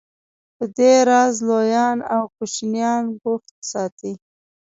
په دې راز لویان او کوشنیان بوخت ساتي.